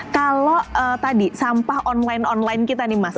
kalau tadi sampah online online kita nih mas